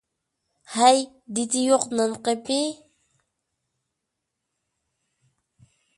ھەي، دىتى يوق نانقېپى!